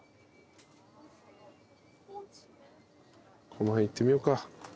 この辺いってみようか。